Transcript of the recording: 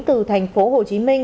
từ thành phố hồ chí minh